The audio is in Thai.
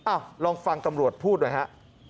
อ้าวลองฟังกำรวจพูดด้วยฮะ